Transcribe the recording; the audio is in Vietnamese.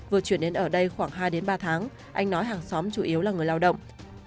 vừa chuyển đến ở đây khoảng hai ba tháng anh nói hàng xóm chủ yếu là người lao động